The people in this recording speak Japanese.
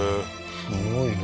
すごいな。